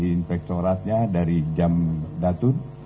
inspektoratnya dari jam datun